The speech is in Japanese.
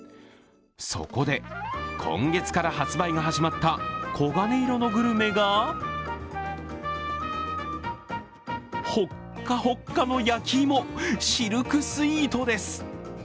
そこで、今月から発売が始まった黄金色のグルメがほっかほっかの焼き芋、シルクスイートです。